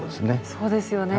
そうですよね。